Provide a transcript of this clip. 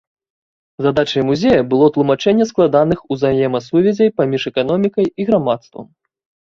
Задачай музея было тлумачэнне складаных узаемасувязей паміж эканомікай і грамадствам.